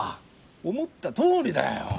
思ったとおりだよ。